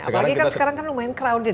apalagi sekarang kan lumayan crowded ya